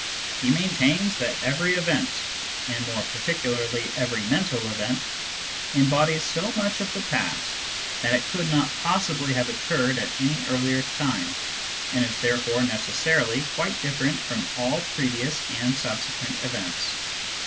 He maintains that every event, and more particularly every mental event, embodies so much of the past that it could not possibly Digitized by Google 230 SCIENTIFIC METHOD IN PHILOSOPHY have occurred at any earlier time, and is therefore neces sarily quite different from all previous and subsequent events.